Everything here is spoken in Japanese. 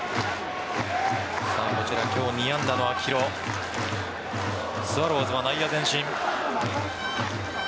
今日２安打の秋広スワローズは内野前進。